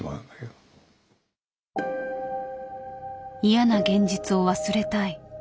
嫌な現実を忘れたい。